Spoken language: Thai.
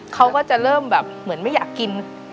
เขาก็จะเริ่มแบบเหมือนไม่อยากกิน